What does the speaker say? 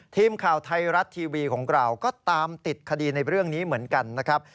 ทีมข่าวไทยรัฐทีวีของเราก็ตามติดคดีในเรื่องนี้เหมือนกันนะครับ